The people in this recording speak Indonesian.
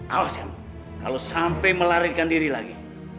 awas kamu kalau sampai melarikan diri lagi